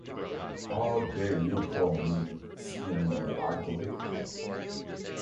How dare you call me skinny and ugly?